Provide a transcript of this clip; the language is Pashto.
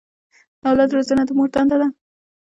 د اولاد روزنه د مور دنده ده.